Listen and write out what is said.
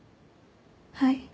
はい。